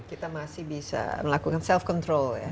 kita masih bisa melakukan self control ya